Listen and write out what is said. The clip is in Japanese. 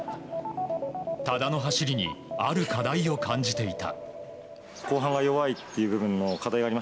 多田の走りにある課題を感じていた。